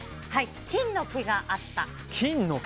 金の毛があった。